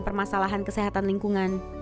permasalahan kesehatan lingkungan